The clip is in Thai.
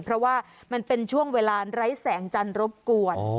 เพราะว่ามันเป็นช่วงเวลาไร้แสงจันทร์รบกวน